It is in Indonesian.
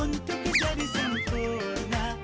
untuk menjadi sempurna